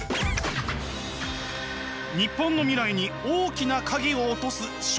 日本の未来に大きな影を落とす少子化！